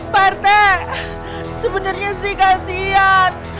pak rt sebenarnya sih kasihan